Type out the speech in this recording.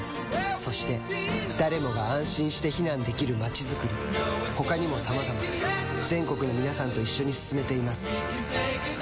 そして誰もが安心して避難できる街づくり他にもさまざま全国の皆さんと一緒に進めています